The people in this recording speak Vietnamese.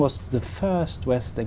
và tôi sẽ chúc mừng